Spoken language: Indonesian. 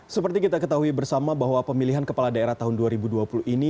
seperti kita ketahui bersama bahwa pemilihan kepala daerah tahun dua ribu dua puluh ini